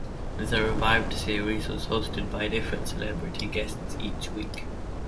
The revived series was hosted by different celebrity guests each week.